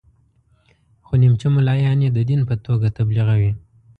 خو نیمچه ملایان یې د دین په توګه تبلیغوي.